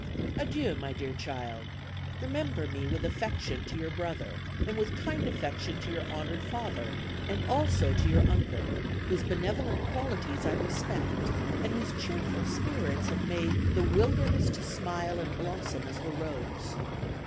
"Adieu, my dear child remember me with affection to your brother and with kind affection to your honored father and also to your uncle whose benevolent qualities I respect and whose cheerful spirits have made 'the wilderness to smile and blossom as the rose.'